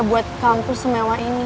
buat kampus semewa ini